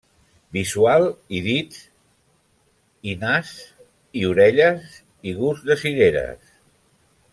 Visual i dits i nas i orelles i gust de cireres.